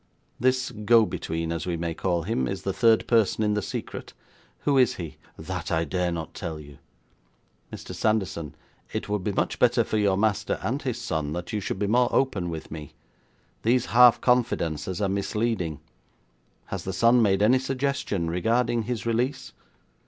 'This go between, as we may call him, is the third person in the secret? Who is he?' 'That I dare not tell you!' 'Mr. Sanderson, it would be much better for your master and his son that you should be more open with me. These half confidences are misleading. Has the son made any suggestion regarding his release?'